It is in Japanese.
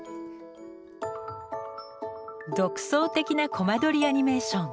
独創的なコマ撮りアニメーション。